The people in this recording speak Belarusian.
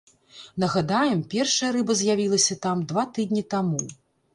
Нагадаем, першая рыба з'явілася там два тыдні таму.